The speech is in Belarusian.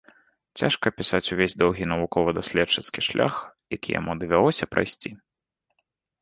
Цяжка апісаць увесь доўгі навукова-даследчыцкі шлях, які яму давялося прайсці.